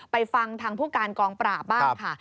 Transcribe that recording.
ฟังทางผู้การกองปราบบ้างค่ะ